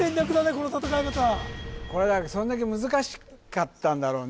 この戦い方これだからそれだけ難しかったんだろうね